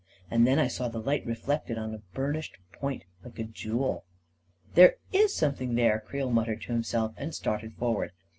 . And then I saw the light reflected on a burnished point, like a jewel .•." There is something there !" Creel muttered to himself, and started forward.